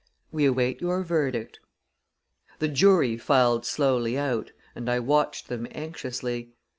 We await your verdict." The jury filed slowly out, and I watched them anxiously.